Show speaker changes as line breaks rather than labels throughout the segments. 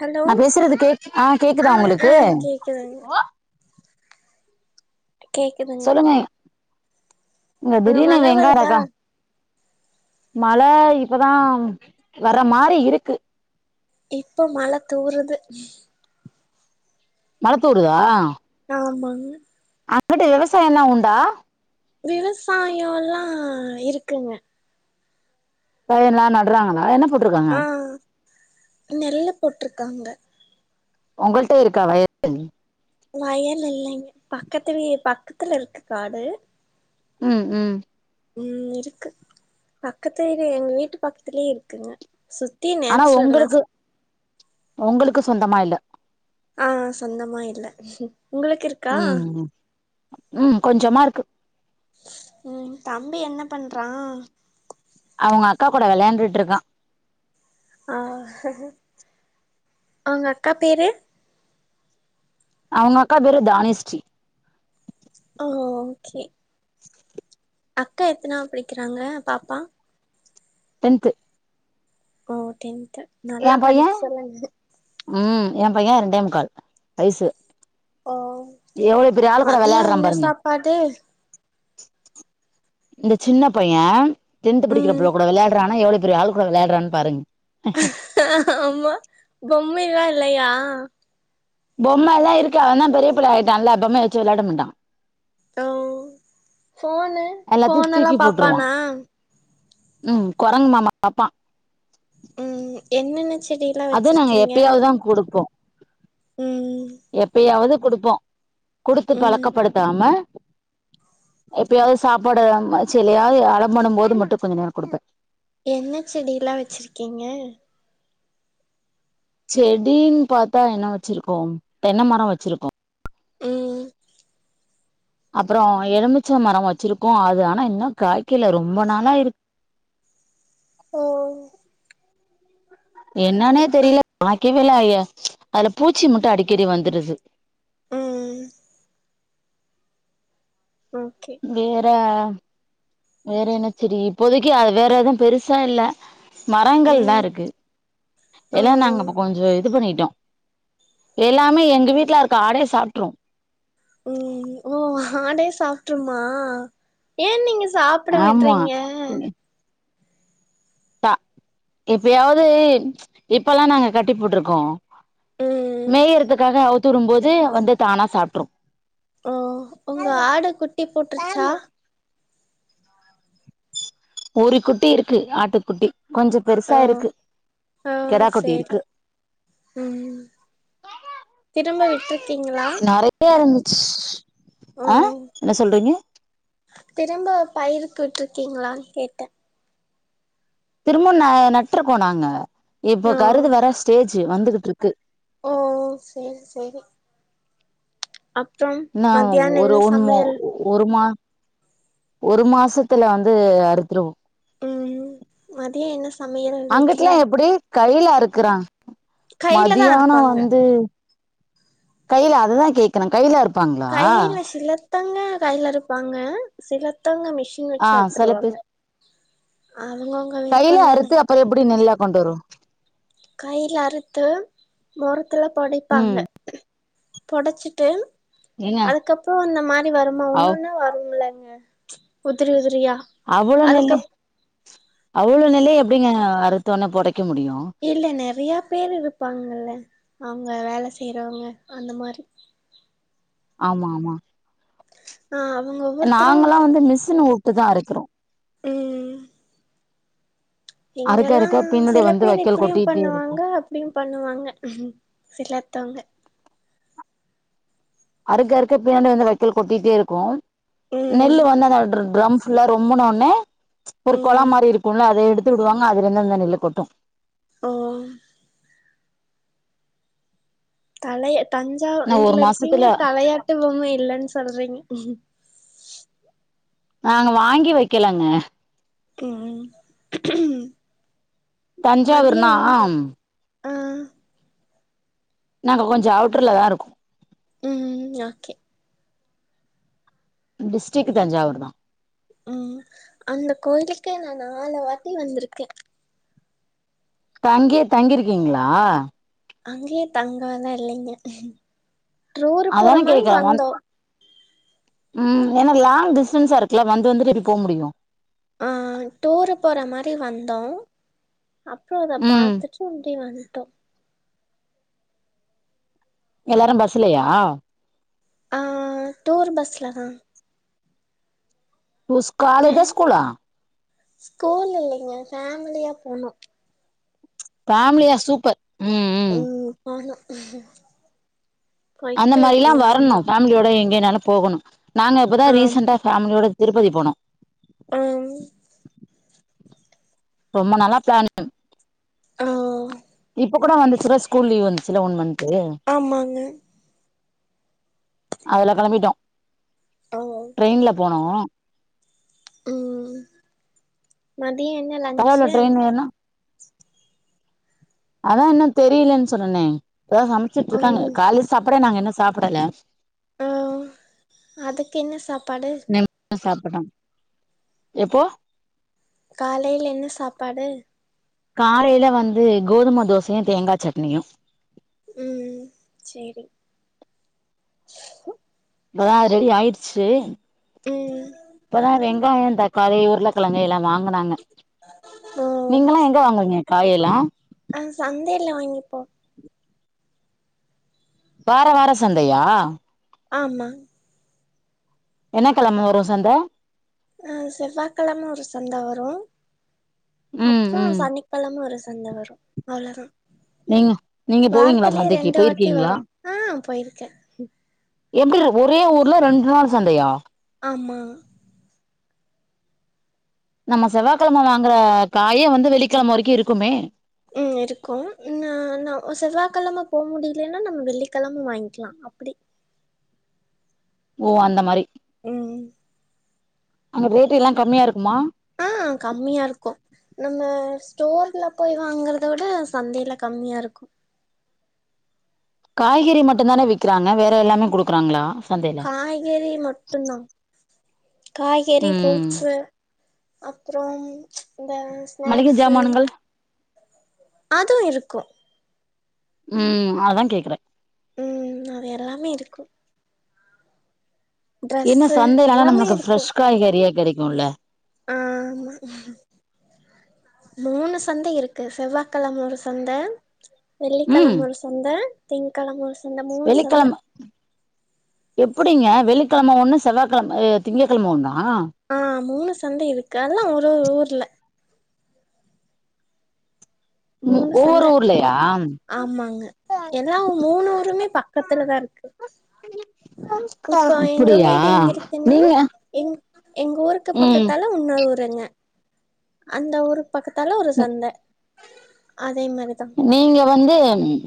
Hello
நா பேசுறது கே ஆ கேக்குதா
ஆ
உங்களுக்கு
கேக்குதுங்க கேக்குதுங்க
சொல்லுங்க இங்க
அங்க
திடீர்னு
மழ வருதா
வெங்காரகா மழ இப்பதா வர மாரி இருக்கு
இப்போ மழ தூருது
மழ தூருதா
ஆமாங்க
அங்கிட்டு விவசாயெல்லா உண்டா
விவசாயோ எல்லா இருக்குங்க
பயின்லா நட்றாங்களா என்ன போட்டுருக்காங்க
ஆ நெல்லு போட்டுருக்காங்க
உங்கள்ட்ட இருக்கா வயலு
வயல் இல்லைங்க பக்கத்து வீ பக்கத்துல இருக்கு காடு
ம் ம்
ம் இருக்கு பக்கத்து வீடு எங்க வீட்டு பக்கத்லியே இருக்குங்க சு
ஆனா உங்களுக்கு உங்களுக்கு சொந்தமா இல்ல
ஆ சொந்தமா இல்ல உங்களுக்கு இரு
ம் ம் ம் கொஞ்சமா இருக்கு
ம் தம்பி என்ன பண்றா
அவங்க அக்கா கூட வெள்யாண்டுட்ருக்கா
ஆ அவுங்க அக்கா பேரு
அவுங்க அக்கா பேரு தானியஸ்ரீ
ஓ ஓகே அக்கா எத்தனாவத் படிக்கிறாங்க பாப்பா
டென்த்து
ஓ டென்த்து
எ
நல்லா
பைய
படிக்க சொல்லுங்க
ம் எ பைய ரெண்டே முக்கால் வயசு
ஓகே
எவ்வளவு பெரிய ஆள் கூட
மதியோ
விளையாடுறான்
என்ன
பாருங்க
சாப்பாடு
இந்த சின்ன பைய டென்த்து படிக்கிற
ம்
புள்ள கூட விளையாடுறானா எவ்ளோ பெரிய ஆள் கூட விளையாட்றான் பாருங்க
ஆமா பொம்மை எல்லா இல்லையா
பொம்ம எல்லா இருக்க ஆனா பெரிய பிள்ள ஆயிட்டா இல்ல பொம்ம வெச்சி விளாட மாட்டா
ஓ ஃபோனு
எல்லாத்தையும்
ஃபோனெல்லா
தூக்கி போட்டுருவான்
பாப்பானா
ம் கொரங்கு மாமா பாப்பா
ம் என்னென்ன செடில்லா
அது நாங்க
வச்சிருக்கீங்க
எப்பயாவ்தா குடுப்போ
ம்
எப்பயாவது குடுப்போ குடுத்து
ம்
பழக்கப்படுத்தாம எப்பயாவது சாப்பாடு அம் செலயாது அடம் பண்ணம் போது மட்டு கொஞ்ச நேரோ குடுப்பே.
என்ன செடி எல்லா வெச்சிருக்கீங்க?
செடின் பாத்தா என்ன வெச்சிருக்கோம் தென்ன மரோ வெச்சிருக்கோ.
ம்.
அப்புறோ எலுமிச்ச மரோ வச்சிருக்கோ அது ஆனா இன்னு காய்க்கல ரொம்ப நாளா இரு
ஓ.
என்னானே தெரில. வாக்ய வேல ஆயே அதுல பூச்சி மட்டு அடிக்கடி வந்துருது.
ம். ஓகே.
வேற வேற என்ன சேடி இப்போதைக்கி அது வேற எதும் பெருசா இல்ல. மரங்கள்லா
ம்
இருக்கு. எல்லா
ஓ
நாங்க இப்ப கொஞ்சோ இது பண்ணிட்டோ. எல்லாமே எங்க வீட்ல இருக்க ஆடே சாப்ட்ரு.
ம் ஓ ஆடே சாப்ட்ருமா? ஏ நீங்க சா ப்ட
ஆமா
விட்றீங்க?
த இப்பயாவ்து இப்பல்லா நாங்க கட்டி போட்ருக்கோ.
ம்
மேயறதுக்காக அவுத்து உடும் போது வந்து தானா சாப்ட்ரு.
ஓ உங்க ஆடு குட்டி போட்ருச்சா?
ஒரு குட்டி இருக்கு ஆட்டுக்குட்டி கொஞ்சப்
ஓ
பெருசா இருக்கு.
ஆ
கெடாக்குட்டி
சேரி
இருக்கு.
ம் திரும்ப விட்ருக்கிங்களா?
[unintelligible] ஆ என்ன சொல்றிங்க?
திரும்ப பயிருக்கு விட்ருக்கிங்ளான் கேட்டே.
திரும்பவு ந நட்ருக்கோ நாங்க இப்போ
ஓ
கருது வர ஸ்டேஜு வந்துகிட்ருக்கு.
ஓ சேரி சேரி. அப்றம்
இன்னாவுங்
மத்தியான
ஒரு
என்ன
ஒன்மோ
சமையல்
ஒ ஒரு மா ஒரு மாசத்துல வந்து அறுத்துருவோ.
ம் மதியோ என்னஸ்
அங்குட்லா எப்பிடி கைல அறுக்குறா
கைல தா
மதியானோ
அறுப்பாங்க
வந்து கைல அதுதா கேக்குறே கைல அறு
கைல சிலத்தங்க கைல அறுப்பாங்க சிலத்தவங்க மிஷ் ன்
ஆ
வெச்சு
செல
அறுத்துருவாங்க.
பேர்
அவுங்கவுங்க விருப்பந் தான.
அதெப்பிடி நெல்லா கொண்டு வரு?
கைல அறுத்து மொரத்துல பொடைப்பாங்க
ம்
பொடச்சிட்டு
ஏங்க
அதுக்கப்புறோ அந்த மாரி வருமா
அவ்
ஒன்னுன்னா வரும்லங்க உதிரி உதிரியா?
அவ்ளோ நெல்ல
அதுக்கப்
அவ்ளோ நெல்லையு எப்பிடிங்க அறுத்தொன்னே பொடைக்க முடியு?
இல்ல நெறையா பேரு இருப்பாங்கள்ல அவுங்க வேல செய்றவங்க அந்த மாரி.
ஆமா ஆமா.
ஆ அவுங்கவ்
நாங்கல்லா வந்து மிஷின உட்டு தா அரைக்கிறோ.
ம்.
அறுக்க
இங்கெல்லா
அறுக்க பின்னாடி
சில
வந்து
பேர்
வைக்கோல்
இப்பிடியும்
கொட்டிட்டே
பண்ணுவாங்க அ ப்பிடியும் பண்ணுவாங்க சிலத்தவங்க.
அறுக்க அறுக்க பின்னாடி வந்து வக்கோல் கொட்டிட்டே இருக்கும்
ம்
நெல்லு வந்து அந்த ட்ர ட்ரம்ஸ் ஃபுல்லா ரொம்புனோட்னே ஒரு கொழா
ம்
மாரி இருக்கும்ல அத எடுத்து விடுவாங்க அதுல இருந்து அந்த நெல்லு கொட்டும்
ஆ தல
நா ஒரு
தஞ்சாவூர்ர்ல
மாசத்துல
இருக்கீங்க தலையாட்டு பொம்மை இல்லைன்னு சொல்றீங்
நாங்க வாங்கி வைக்கலங்க
ம் மதியா
தஞ்சாவூர்னா
இங்க ஆஹ
நாங்க கொஞ்சோ அவுட்டர்ல தான் இருக்கோம்
உம் ஓகே
டிஸ்டிக் தஞ்சாவூர் தான்
உம் அந்த கோயிலுக்கே நான் நாலு வாட்டி வந்திருக்க
தங்கியே தங்கிருக்கீங்களா
அங்கேயே தங்கலா இல்லேங்க ரூருக் போற
அதான
மாரி
கேக்குற வந்
வந்தோம்
ம் ஏன்னா லாங் டிஸ்டன்ஸா இருக்குல்ல வந்து வந்துட்டு எப்டி போக முடியும்
ஆ டூரு போற மாரி வந்தோம் அப்ரோ அதப்
ம்
பாத்துட்டு ஆப்டி வந் டோ
எல்லாரு பஸ்லையா
ஆ டூர் பஸ்ல தா
ஓஸ்காலஜா,
வேன்
ஸ்கூலா?
ஸ்கூல் இல்லைங்க ஃபேமிலியா போனோ
பேமிலியா சூப்பர் ம் ம்
உம் ஆஹா
அந்த மாரிலாம்
வந்தோ
வரணும் ஃபேமிலியோட எங்கனாலும் போகணும் நாங்க இப்பதான்
ஆமா
ரீசெண்டா ஃபேமிலியோட திருப்பதி போனோ
ஆம்
ரொம்ப நாலா பிளானு
ஆ
இப்ப கூட வந்துச்சுல ஸ்கூல் லீவ் வந்துச்சுல ஒன் மன்து
ஆமாங்க
அதுல கிளம்பிட்டோ
ஆ ஓ
ட்ரெயின்ல போனோ
ம் மதிய என்ன
பரவால்ல
லன்சு
ட்ரெயின் ஏறுனா அதான் இன்னும் தெரியலன் சொன்னனே இப்பதா சமைச்சிட்டுருக்காங்க
ம்
கால சாப்படே நாங்க இன்னு சாப்டல
அதுக்கென்ன சாப்பாடு
சாப்பிட்டாம் எப்போ
காலையில என்ன சாப்பாடு
காலையில வந்து கோதும தோசையும் தேங்கா சட்னியும்
உம் செரி
இப்பதான் ரெடி ஆயிடுச்சு
ம்
இப்பதான்ங் ங்காயம் தக்காளி உருளைக்கிழங்கு எல்லாம் வாங்குனாங்க
ஓ
நீங்கல்லாம் எங்க வாங்குவீங்க காயெல்லாம்
ஆ சந்தையில வாங்கிப்போ
வார வார சந்தையா
ஆமா
என்ன கிழம வரும் சந்த
ஆ செவ்வாகெழம ஒரு சந்த வரு
ம்
அப்றோ
ம்
சனிக்கெழம ஒரு சந்த வரு அவ்ளோதா
நீங்க நீங்க போவீங்களா
வாரத்திலே
சந்தைக்கு
ரெண்டு வாட்டி
போயிருக்கீங்களா
வரு ஆ போயிருக்கே
எப்டி இது ஒரே ஊர்ல ரெண்டு நாள் சந்தையா
ஆமா
நம்ம செவ்வாகெழம வாங்குற காயே வந்து வெள்ளிக்கெழம வரைக்கு இருக்குமே
ம் இருக்கும் நா நா ஒ செவ்வாகெழம போ முடிலனா நம்ம வெள்ளிக்கெழம வாங்கிக்கலா அப்டி
ஓ அந்த மாரி
ம்
அங்க ரேட்டு எல்லா கம்மியா இருக்குமா
ஆ கம்மியா இருக்கு நம்ம ஸ்டோர்ல போய் வாங்கறத விட சந்தேல கம்மியா இருக்கு
காய்கறி மட்டு தான விக்கிறாங்க வேற எல்லாமே குடுக்குறாங்களா சந்தே
காய்கெறி மட்டுதா காய்கெறி ஃப்ரூட்
ம்
ஸு அப்றோம் இந்த
மளிகை
ஸ்நாக்ஸு
ஜாமானுங்கள்
அதும் இருக்கு
ம் அதா கேக்குறே
ம் அவே எல்லாமே இருக்கு
என்ன
ட்ரெஸ்ஸு
சந்தே நாலா
எல்லாமே
நமக்கு
இருக்கு
ஃப்ரெஷ் காய்கெறியா கெடைக்குல
ம மூணு சந்தை இருக்கு செவ்வாகெழம ஒரு சந்த
ம்
வெள்ளிக்கெழம ஒரு சந்த திங்க்கெழம ஒரு சந்தம்
வெள்ளிக்கெழம எப்டிங்க வெள்ளிக்கெழம ஒண்ணு செவ்வாகெழம ஏ திங்ககெழம ஒண்ணா
ஆ மூணு சந்தை இருக்கு அதெல்லா ஒரு ஊர்ல மூணு சந்த
ஒவ்வொரு ஊர்லயா
ஆமாங்க எனாவு மூணுருமே பக்கத்துல தா இருக்கு இப்போ எங்க
அப்டியா
வீடு எங்க இருக்குன்னா
நீங்க
எங் எங்க ஊருக்கு
ம்
பக்கத்தால உங்க ஊருங்க அந்த ஊரு பக்கத்தால ஒரு சந்த அதே மாரிதா
நீங்க வந்து ம்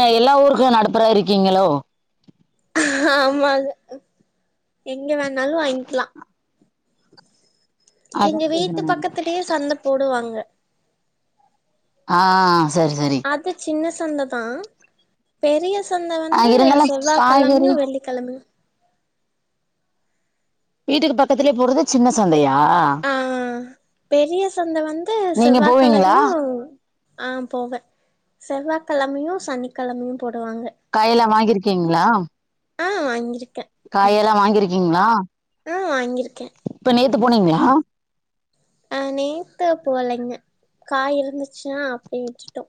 அ எல்லா ஊருக்கு நடுப்புற இருக்கீங்களோ
ஆமாங்க எங்க வேணாலு வாங்கிலா
அதா
எங்க
கேக்குறே
வீட்டு
நானு
பக்கத்துலே சந்த போடுவாங்க
ஆ செரி செரி
அது சின்ன சந்த தா பெரிய சந்த
ஆ
வந்து
இருந்தாலு காய்கறி
செவ்வாகெழமயு வெள்ளி கெழமயு
வீட்டுக்கு பக்கத்திலேயே போடுறது சின்ன சந்தையா
ஆ பெரிய சந்த வந்து
நீங்க
செவ்வா
போவீங்களா
கெழமயூ ஆ போவே செவ்வாகெழமயு சனிக்கெழமயு போடுவாங்க
காய்யெல்லா வாங்கியிருக்கீங்களா
ஆ வாங்கியிருக்கே
காயெல்லா வாங்கிருக்கீங்களா
ஆ வாங்கியிருக்கே
இப்ப நேத்து போனீங்களா
அ நேத்த போலேங்க காய் இருந்துச்சுனா அப்டியே விட்டுட்டோ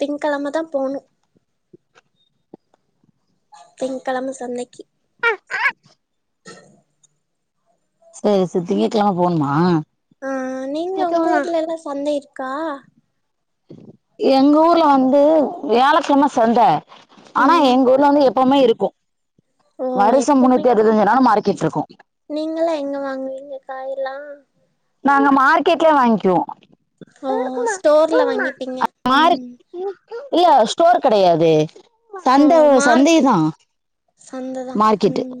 திங்கெழம தா போணு திங்கெழம சந்தைக்கி
செரி செரி திங்ககெழம போணுமா
ஆ நீங்க உங்க ஊர்ல எல்லா சந்தை இருக்கா
எங்க ஊர்ல வந்து வியாழக்கிழம சந்த ஆனா
ம்
எங் ஊர்ல வந்து எப் ப்போமே இருக்கு
ஓ
வருஷ முண்ணுத்தி அறுவத்தி அஞ்சு நாளு மார்க்கெட் இருக்கு
நீங்கல்லா எங்க வாங்குவீங்க காய் எல்லா
நாங்க மார்க்கெட்லய வாங்கிவோ
ஓ ஸ்டோர்ல வாங்கிப்பீங்க
மார்க்
ம்
இல்ல ஸ்டோர் கெடையாது சந்த சந்தை தா
சந்ததா ம்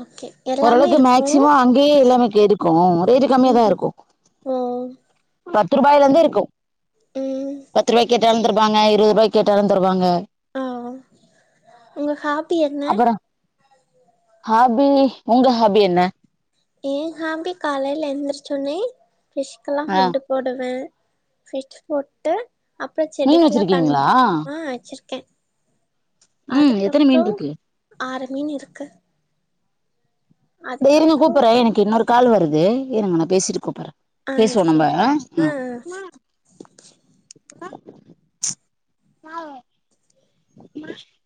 ஓகே எல்லாமே இருக்கு
கே எல்லாமே கிருக்கு ரேட்டு கம்மியா தா
ம்
இருக்கு
ஓ
பத்து ரூபாயல இருந்து இருக்கு
ம்
பத்து ரூபாய்க் கேட்டாலு தருவாங்க இருபது ரூபாய்க் கேட்டாலு தருவாங்க
ஆ ஒ உங்க ஹாபி என்ன
அப்புறம் ஹாபி ஒங்க ஹாபி என்ன
எ ஹாபி காலைல எந்திரச்ச ஒட்னே
ஆ,
[unintelligible] போடுவே ஃபிட்ச் போட்டு அப்புற
மீன்
செடிக்கெல்லா தன்
வச்சிருக்கீங்களா
ஆ வச்சிருக்கே
ம் எத்தனை மீன்
அதுக்கப்புற
இருக்கு
அர மீன் இருக்கு
இந்த இருங்க
அதுக்கப்றோ
கூப்பிடறே எனக்கு இன்னொரு கால் வருது இருங்க நான் பேசிட்டு கூப்பிட்றே
ஆ
பேசுவோ நம்ப
சேரி
அ
ஆ ஆ
ம் [inaudible]